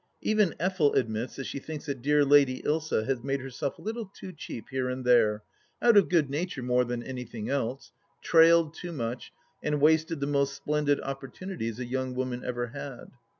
Even Effel admits that she thinks that dear Lady Ilsa has made herself a little too cheap here and there, out of good nature more than anything else —" trailed " too much, and wasted the most splendid opportunities a young woman ever had.